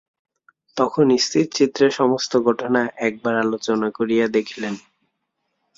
তখন স্থির চিত্তে সমস্ত ঘটনা একবার আলোচনা করিয়া দেখিলেন।